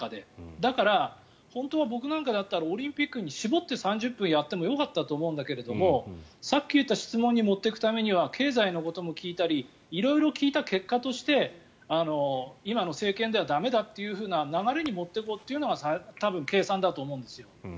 だから、本当は僕なんかだったらオリンピックに絞って３０分やってもよかったと思うんだけどさっき言った質問に持っていくためには経済のことも聞いたり色々聞いた結果として今の政権では駄目だという流れに持っていこうというのが多分、計算だと思うんですよ。